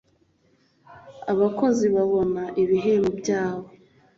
abakozi babona ibihembo byabo .